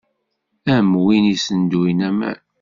Am win issenduyen aman.